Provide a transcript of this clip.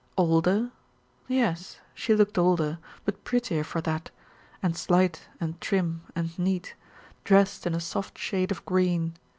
Older? Yes, she looked older, but prettier for that, and slight and trim and neat, dressed in a soft shade of green.